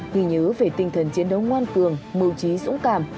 ghi nhớ về tinh thần chiến đấu ngoan cường mưu trí dũng cảm